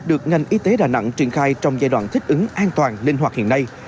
được ngành y tế đà nẵng truyền khai trong giai đoạn thích ứng an toàn lên hoạt hiện nay